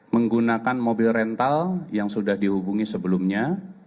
menggunakan mobil rental yang sudah dihubungi sebelumnya